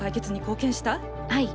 はい。